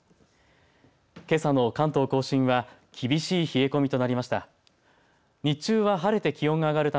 けさの関東甲信は厳しい冷え込みとなりました。